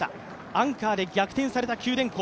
アンカーで逆転された九電工。